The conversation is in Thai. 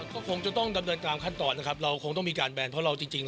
ก็คงจะต้องดำเนินตามขั้นตอนนะครับเราคงต้องมีการแบนเพราะเราจริง